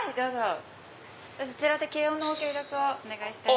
そちらで検温のご協力をお願いしております。